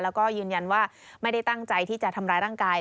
แล้วก็ยืนยันว่าไม่ได้ตั้งใจที่จะทำร้ายร่างกาย